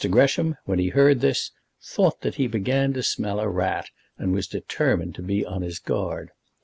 Gresham, when he heard this, thought that he began to smell a rat, and was determined to be on his guard.